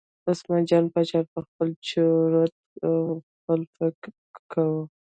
عثمان جان باچا په خپل چورت کې و او یې فکر کاوه.